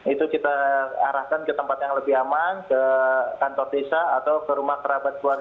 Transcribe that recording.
itu kita arahkan ke tempat yang lebih aman ke kantor desa atau ke rumah kerabat keluarga